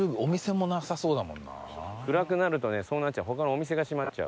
暗くなるとねそうなっちゃう。